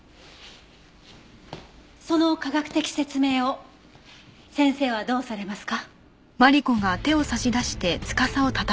その科学的説明を先生はどうされますか？